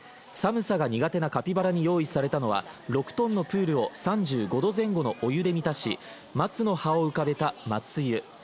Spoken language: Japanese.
寒さが苦手なカピバラに用意されたのは、６ｔのプールを３５度前後のお湯で満たし、松の葉を浮かべた松湯。